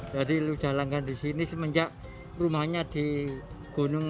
jadi udah langgan disini semenjak rumahnya di gunung apa